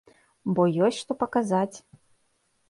Бо ёсць, што паказаць.